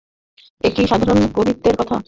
এ কি সাধারণ কবিত্বের কথা?